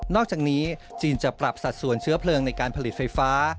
อกจากนี้จีนจะปรับสัดส่วนเชื้อเพลิงในการผลิตไฟฟ้า